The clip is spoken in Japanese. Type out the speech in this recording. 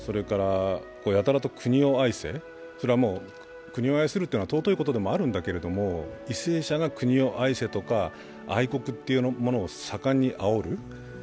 やたらと国を愛せ、国を愛することは尊いことでもあるんだけど為政者が国を愛せとか愛国というものを盛んにあおる。